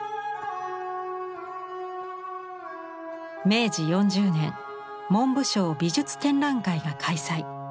明治４０年文部省美術展覧会が開催。